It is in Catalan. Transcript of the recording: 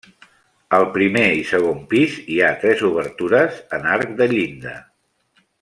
Al primer i segon pis, hi ha tres obertures en arc de llinda.